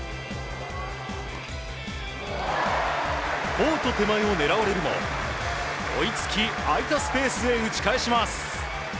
コート手前を狙われるも追いつき空いたスペースへ打ち返します。